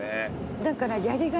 だから。